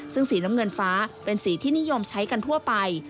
ซึ่งสีน้ำเงินฟ้าเป็นสีที่นิยมใช้กันทั่วไป